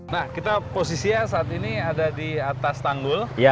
nah kita posisinya saat ini ada di atas tanggul